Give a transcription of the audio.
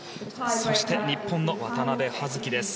そして、日本の渡部葉月です。